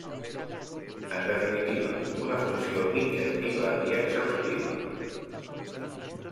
En definitiva, una funció injectiva i exhaustiva.